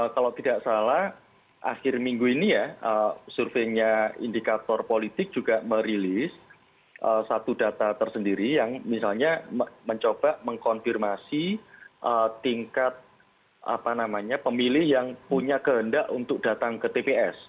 kalau tidak salah akhir minggu ini ya surveinya indikator politik juga merilis satu data tersendiri yang misalnya mencoba mengkonfirmasi tingkat pemilih yang punya kehendak untuk datang ke tps